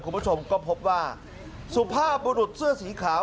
คุณผู้ชมก็พบว่าสุภาพบุรุษเสื้อสีขาว